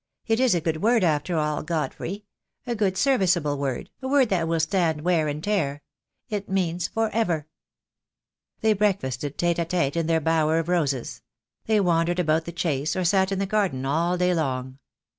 It is a good word, after all, God frey— a good serviceable word, a word that will stand wear and tear. It means for ever." They breakfasted tete a tete in their bower of roses; they wandered about the Chase or sat in the garden all day long.